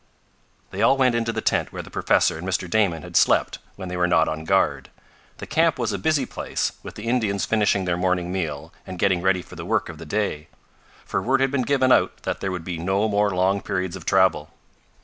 They all went into the tent where the professor and Mr. Damon had slept when they were not on guard. The camp was a busy place, with the Indians finishing their morning meal, and getting ready for the work of the day. For word had been given out that there would be no more long periods of travel.